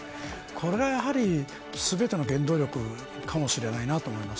これが全ての原動力かもしれないなと思います。